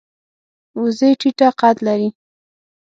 وزې ټیټه قد لري